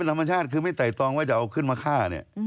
ธรรมชาติคือไม่ไต่ตองว่าจะเอาขึ้นมาฆ่าเนี่ย